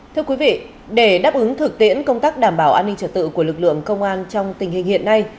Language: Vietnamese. thưa quý vị để đáp ứng thực tiễn công tác đảm bảo an ninh trật tự của lực lượng công an trong tình hình hiện nay